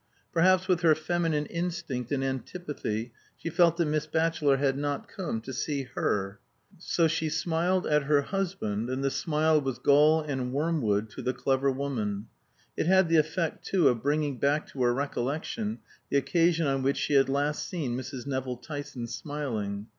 Perhaps with her feminine instinct and antipathy, she felt that Miss Batchelor had not come to see her. So she smiled at her husband, and the smile was gall and wormwood to the clever woman; it had the effect, too, of bringing back to her recollection the occasion on which she had last seen Mrs. Nevill Tyson smiling.